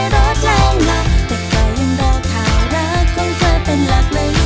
แต่ก็ยังเดินผ่านรักของเธอเป็นหลัก